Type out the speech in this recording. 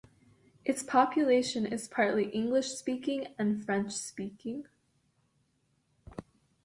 Its population is partly English-speaking and French-speaking.